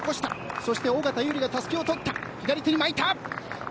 そして尾方唯莉がたすきを取って左手に巻いた。